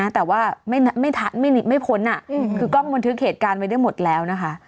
แต่ว่าไม่ทันไม่พ้นคือกล้องมนตร์ถือเขตการไว้ได้หมดแล้วนะคะ